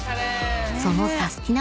［そのサスティな！